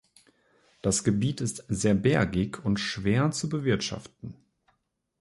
Das Gebiet ist sehr bergig und schwer zu bewirtschaften.